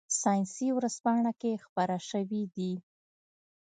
ساینسي ورځپاڼه کې خپاره شوي دي.